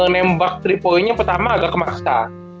nembak tiga point nya pertama agak kemaksa